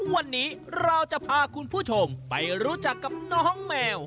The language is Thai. วันนี้เราจะพาคุณผู้ชมไปรู้จักกับน้องแมว